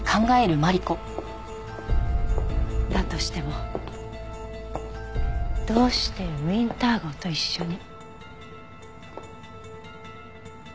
だとしてもどうしてウィンター号と一緒に。